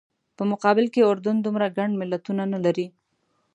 په مقابل کې اردن دومره ګڼ ملتونه نه لري.